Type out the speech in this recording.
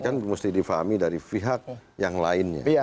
kan mesti difahami dari pihak yang lainnya